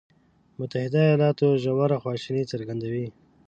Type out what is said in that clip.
متحده ایالات ژوره خواشیني څرګندوي.